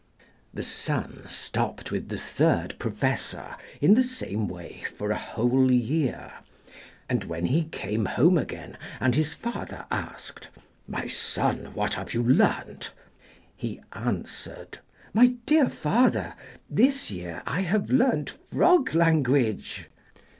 The son stopped with the third Professor in the same way for a whole year, and when he came home again and his father asked, 'My son, what have you learnt?' he answered 'My dear father, this year I have learnt frog language.'